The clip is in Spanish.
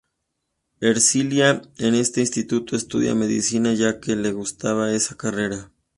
Ercilia en ese instituto estudia medicina, ya que le gustaba esa carrera.